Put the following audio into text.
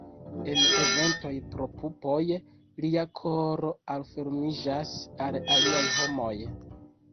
En eventoj pro pupoj, lia koro malfermiĝas al aliaj homoj.